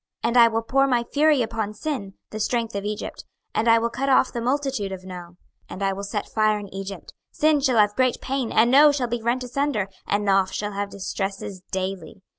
26:030:015 And I will pour my fury upon Sin, the strength of Egypt; and I will cut off the multitude of No. 26:030:016 And I will set fire in Egypt: Sin shall have great pain, and No shall be rent asunder, and Noph shall have distresses daily.